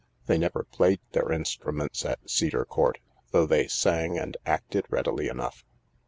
They never played their instruments at Cedar Court, though they sang and acted readily enough.